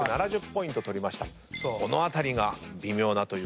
この辺りが微妙なという。